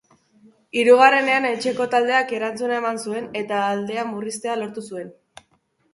Hirugarrenean, etxeko taldeak erantzuna eman zuen, eta aldea murriztea lortu zuen.